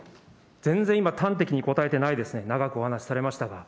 全然今、端的に答えてないですね、長くお話されましたが。